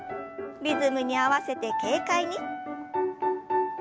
リズムに合わせて軽快に。